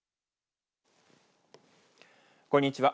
こんにちは。